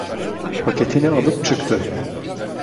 Paketini alıp çıktı…